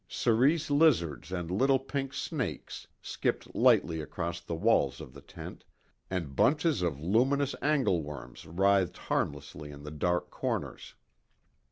Cerese lizards and little pink snakes skipped lightly across the walls of the tent, and bunches of luminous angleworms writhed harmlessly in the dark corners.